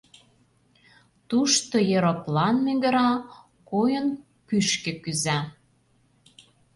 Тушто ероплан мӱгыра, койын кӱшкӧ кӱза.